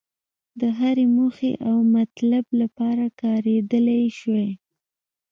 د هرې موخې او مطلب لپاره کارېدلای شوای.